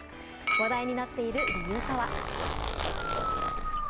話題になっている理由とは。